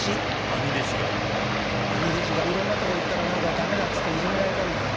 兄弟子がいろんなとこ行ったら何か駄目だっつっていじめられたんだよ。